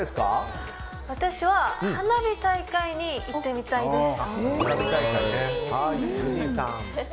私は花火大会に行ってみたいです。